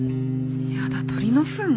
やだ鳥のふん？